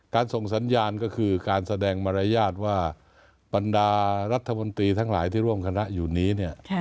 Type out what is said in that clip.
ส่งสัญญาณก็คือการแสดงมารยาทว่าบรรดารัฐมนตรีทั้งหลายที่ร่วมคณะอยู่นี้เนี่ย